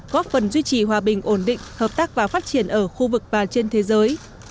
góp phần duy trì hòa bình ổn định hợp tác và phát triển ở khu vực và trên thế giới